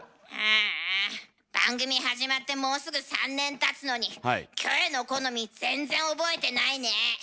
ああ番組始まってもうすぐ３年たつのにキョエの好み全然覚えてないね。